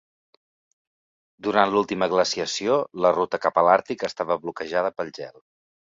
Durant l'última glaciació, la ruta cap a l'Àrtic estava bloquejada pel gel.